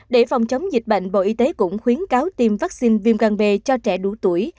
để phòng chống dịch bệnh bộ y tế cũng khuyến cáo tiêm vaccine viêm gan b cho trẻ đủ tuổi